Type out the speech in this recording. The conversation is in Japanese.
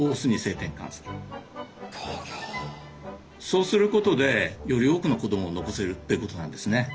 そうすることでより多くの子供を残せるってことなんですね。